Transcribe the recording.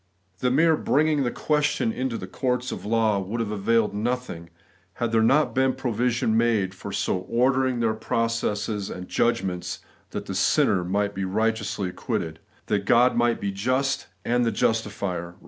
npHE mere bringing the question into the courts ■ of law would have availed nothing, had there not been provision made for so ordering their pro cesses and judgments that the sinner might be righteously acquitted ; that God might be ' just and the justifier' (Rom.